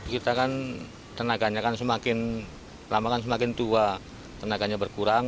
kita kan tenaganya kan semakin lama kan semakin tua tenaganya berkurang